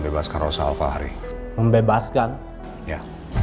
jadi dulu hammio